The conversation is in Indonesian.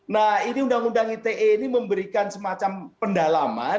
nah ini undang undang ite ini memberikan semacam pendalaman